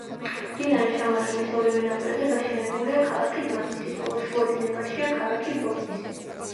მდინარე მაშავერის ორივე ნაპირზე გაშენებულია ქალაქი დმანისი, ხოლო შუა დინებაშია ქალაქი ბოლნისი.